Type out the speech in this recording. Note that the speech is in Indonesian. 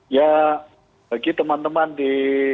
ya bagi teman teman di